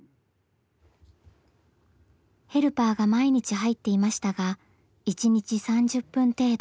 ヘルパーが毎日入っていましたが１日３０分程度。